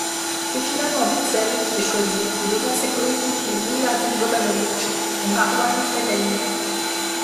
C'est finalement Witsel qui est choisi, devant ses coéquipiers Milan Jovanović et Marouane Fellaini.